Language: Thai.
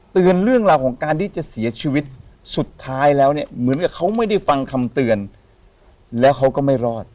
เรื่องราวของการที่จะเสียชีวิตสุดท้ายแล้วเนี่ยเหมือนกับเขาไม่ได้ฟังคำเตือนแล้วเขาก็ไม่รอด